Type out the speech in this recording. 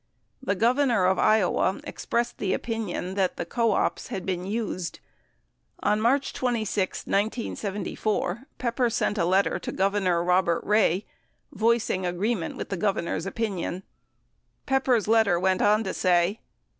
The Governor of Iowa expressed the opinion that the co ops had been used. On March 26, 1974, Pepper sent a letter to Governor Robert Ray 71 voicing agreement with the Governor's opinion. Pepper's letter went on to say